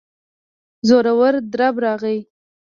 زورور درب راغی.